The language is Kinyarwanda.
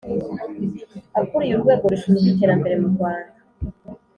Akuriye urwego rushinzwe Iterambere mu Rwanda